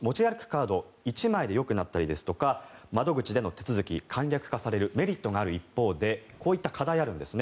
カード１枚でよくなったりですとか窓口での手続き簡略化されるメリットがある一方でこういった課題があるんです。